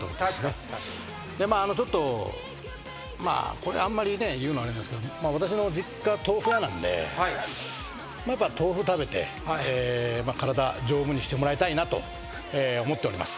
これあんまり言うのあれですけど私の実家豆腐屋なんで豆腐食べて体丈夫にしてもらいたいなと思っております。